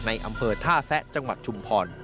อำเภอท่าแซะจังหวัดชุมพร